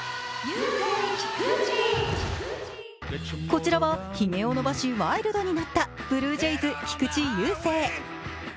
こちらはひげを伸ばしワイルドになったブルージェイズ・菊池雄星。